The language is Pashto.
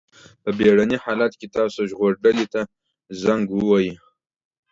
په بېړني حالت کې تاسو ژغورډلې ته زنګ ووهئ.